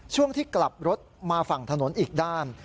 ช่วงที่กลับรถมาฝั่งถนนอีกด้าน